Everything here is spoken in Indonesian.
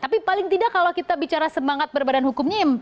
tapi paling tidak kalau kita bicara semangat berbadan hukumnya